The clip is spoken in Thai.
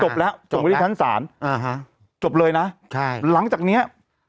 จบแล้วจบแล้วส่งไปที่ชั้นศาลอ่าฮะจบเลยนะใช่หลังจากเนี้ย